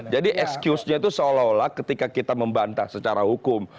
jadi excuse nya itu seolah olah ketika kita membantah secara hukum